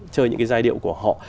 chơi những cái giai điệu của họ